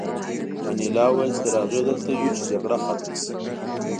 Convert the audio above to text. انیلا وویل چې تر هغې دلته یو چې جګړه ختمه شي